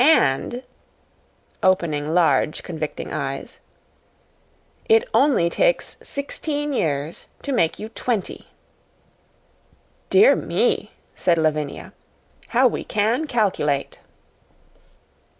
And," opening large, convicting eyes, "it takes sixteen years to make you twenty." "Dear me," said Lavinia, "how we can calculate!"